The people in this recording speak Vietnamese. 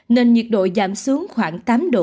nên nhiệt độ giảm xuống khoảng tám mươi